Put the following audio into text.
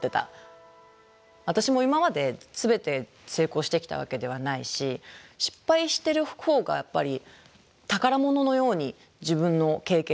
私も今まで全て成功してきたわけではないし失敗してるほうがやっぱり宝物のように自分の経験になってるので。